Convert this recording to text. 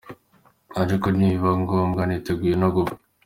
Ariko nibiba ngombwa niteguye no gupfa.